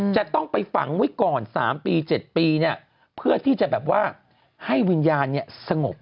จะต้องไปฝังไว้ก่อน๓ปี๗ปีเพื่อที่จะแบบว่าให้วิญญาณสงบ